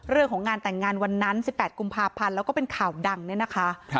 เรื่องของงานแต่งงานวันนั้น๑๘กุมภาพันธ์แล้วก็เป็นข่าวดังเนี่ยนะคะ